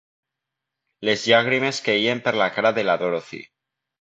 Les llàgrimes queien per la cara de la Dorothy.